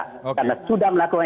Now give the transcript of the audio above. karena sudah melakukan